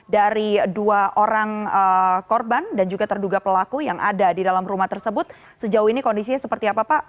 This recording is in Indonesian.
dari dua orang korban dan juga terduga pelaku yang ada di dalam rumah tersebut sejauh ini kondisinya seperti apa pak